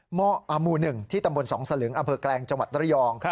หม้ออมูหนึ่งที่ตำบลสองสลึงอเผิกแกรงจังหวัดตระยอง